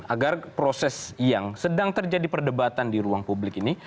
agar proses yang sedang terjadi perdebatan di ruang publik ini